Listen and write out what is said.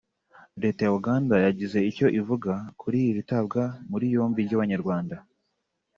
Leta ya Uganda yagize icyo ivuga kuri iri tabwa muri yombi ry’Abanyarwanda